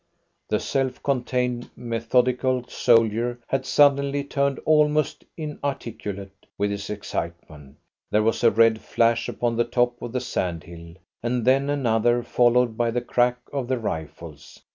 The self contained, methodical soldier had suddenly turned almost inarticulate with his excitement. There was a red flash upon the top of the sand hill, and then another, followed by the crack of the rifles.